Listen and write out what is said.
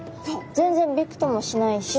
全然びくともしないし。